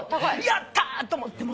やった！と思って。